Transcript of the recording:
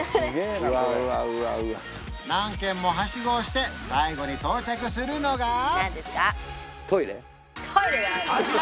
何軒もハシゴをして最後に到着するのがこちら！